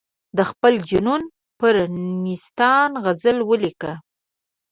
د خپل جنون پر نیستان غزل ولیکم.